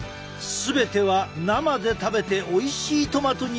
全ては生で食べておいしいトマトになるように。